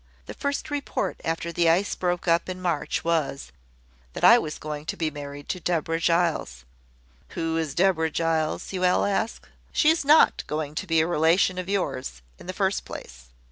The first report after the ice broke up in March was, that I was going to be married to Deborah Giles. `Who is Deborah Giles?' you will ask. She is not going to be a relation of yours, in the first place.